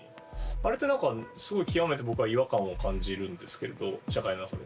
あれって何かすごい極めて僕は違和感を感じるんですけれど社会の中で。